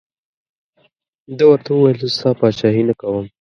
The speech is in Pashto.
ده ورته وویل زه ستا پاچهي نه کوم.